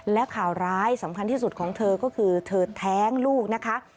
และข่าวร้ายสำคัญที่สุดของเธอก็คือเธอแท้งลูกนะคะ